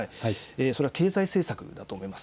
それは経済政策だと思います。